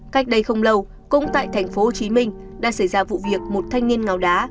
cách đây không lâu cũng tại tp hcm đã xảy ra vụ việc một thanh niên ngào đá